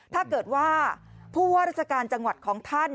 ถ้าเกิดว่าผู้ว่าราชการจังหวัดของท่าน